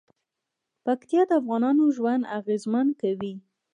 پکتیا د افغانانو ژوند اغېزمن کوي.